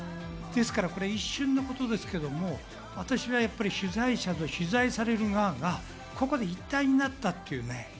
ですから一瞬のことですけれど私は取材者と取材される側が一体になったという。